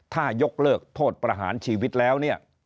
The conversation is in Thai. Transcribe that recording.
ถ้ายกเลิกโทษประหารชีวิตแล้วเนี่ย